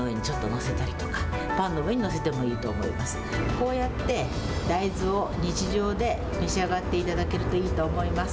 こうやって、大豆を日常で召し上がっていただけるといいと思います。